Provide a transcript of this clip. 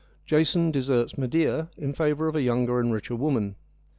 Jason deserts Medea in favour of a younger and richer woman.